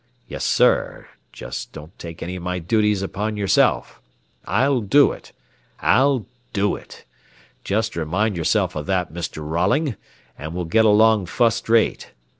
Yes, sir, don't take any of my duties upon yourself. I'll do it. I'll do it. Jest remind yourself of that, Mr. Rolling, an' we'll get along fust rate.